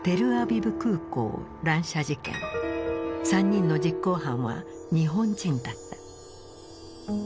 ３人の実行犯は日本人だった。